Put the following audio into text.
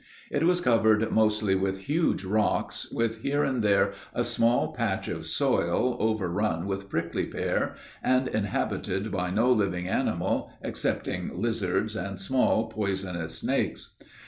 It was covered mostly with huge rocks, with here and there a small patch of soil, overrun with prickly pear, and inhabited by no living animal excepting lizards and small poisonous snakes.